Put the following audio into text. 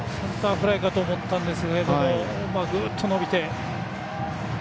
センターフライかと思ったんですがぐっと伸びて。